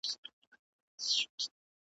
ـ څه په کوې